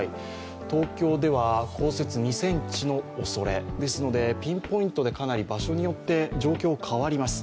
東京では降雪２ｃｍのおそれですのでピンポイントでかなり場所によって状況変わります。